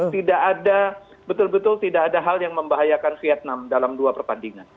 tidak ada betul betul tidak ada hal yang membahayakan vietnam dalam dua pertandingan